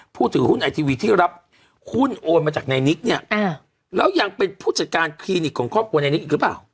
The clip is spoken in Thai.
ถือหุ้นไอทีวีที่รับหุ้นโอนมาจากในนิกเนี่ยแล้วยังเป็นผู้จัดการคลินิกของครอบครัวในนิกอีกหรือเปล่า